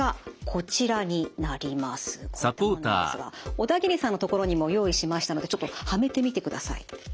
こういったものなんですが小田切さんのところにも用意しましたのでちょっとはめてみてください。